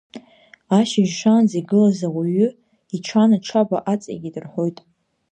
Ашьыжь шаанӡа игылаз ауаҩы иҽан аҽаба аҵеикит рҳәоит.